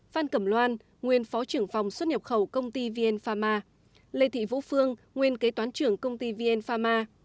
phan cẩm loan nguyên phó trưởng phòng xuất nhập khẩu công ty vn pharma lê thị vũ phương nguyên kế toán trưởng công ty vn pharma